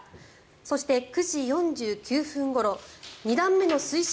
そして、９時４９分ごろ２段目の推進